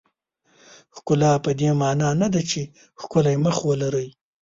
ښکلا پدې معنا نه ده چې ښکلی مخ ولرئ.